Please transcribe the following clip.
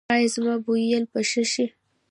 ایا زما بویول به ښه شي؟